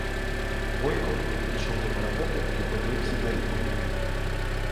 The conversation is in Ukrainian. Бойко підійшов до парапету й подивився на ріку.